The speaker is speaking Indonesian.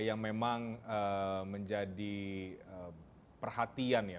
itu yang memang menjadi perhatian